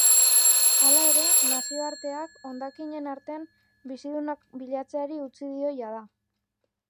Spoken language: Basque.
Hala ere, nazioarteak hondakinen artean bizidunak bilatzeari utzi dio jada.